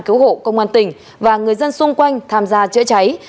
cứu hộ công an tỉnh và người dân xung quanh tham gia chữa cháy